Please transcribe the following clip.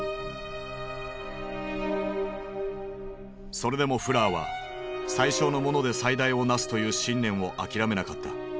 それでもフラーは「最小のもので最大をなす」という信念を諦めなかった。